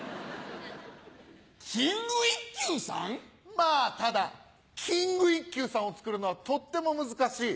まぁただキング一休さんをつくるのはとっても難しい。